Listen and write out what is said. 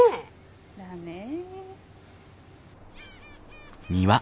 だねえ。